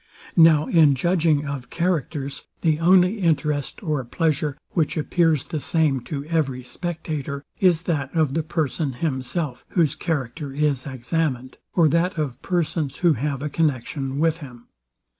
Now in judging of characters, the only interest or pleasure, which appears the same to every spectator, is that of the person himself, whose character is examined; or that of persons, who have a connexion with him.